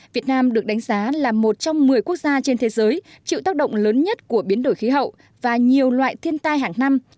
việt nam được đánh giá là một trong một mươi quốc gia trên thế giới chịu tác động lớn nhất của biến đổi khí hậu và nhiều loại thiên tai hàng năm